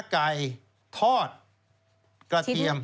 ไก่ทอดกระเทียม